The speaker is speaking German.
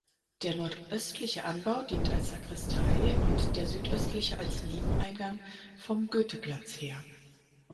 Der nordöstliche Anbau dient als Sakristei und der südöstliche als Nebeneingang vom Goetheplatz her.